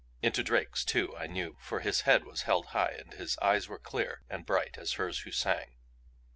Into Drake's too, I knew, for his head was held high and his eyes were clear and bright as hers who sang.